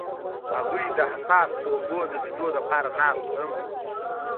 هغوی د حساس خوبونو د لیدلو لپاره ناست هم وو.